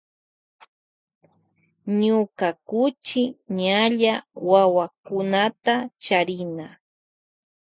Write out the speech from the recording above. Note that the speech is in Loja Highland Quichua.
Ñuña kuchi ñalla wawakunta charina.